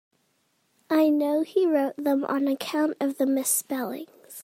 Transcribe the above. I know he wrote them on account of the misspellings.